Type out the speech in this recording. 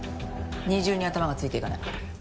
二重に頭がついていかない。